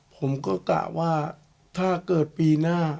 ผมก็กะว่าถ้าเกิดปีหน้า